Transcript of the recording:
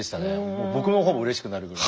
僕の方もうれしくなるぐらい。